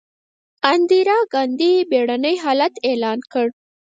اندرا ګاندي بیړنی حالت اعلان کړ.